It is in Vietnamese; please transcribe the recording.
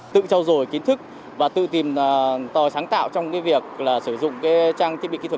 tự trao dổi kiến thức và tự tìm tòi sáng tạo trong việc sử dụng trang thiết bị kỹ thuật